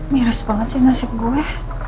miras banget sih nasib gue